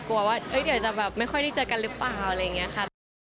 กลัวว่าเดี๋ยวจะแบบไม่ค่อยได้เจอกันหรือเปล่าอะไรอย่างนี้ค่ะ